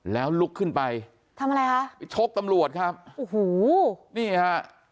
แล้วลุกขึ้นไปทำอะไรคะไปชกตำรวจครับโอ้โหนี่ฮะ